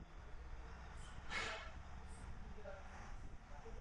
Jindřich to ale odmítl a držel své vojsko mimo místo hlavního střetu.